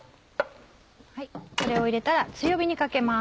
これを入れたら強火にかけます。